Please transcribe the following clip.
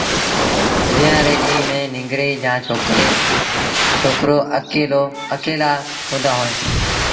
ويهآݩ ري ڏيݩهآݩ ميݩ ننگريٚ جآݩ ڇوڪرو اڪيلآ ڪوندآ وهيݩ